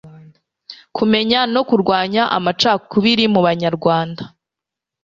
Kumenya no kurwanya amacakubiri mu Banyarwanda